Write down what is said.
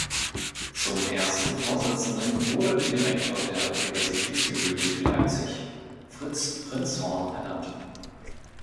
Zum ersten Vorsitzenden wurde der Direktor der Universitätsbibliothek Leipzig, Fritz Prinzhorn, ernannt.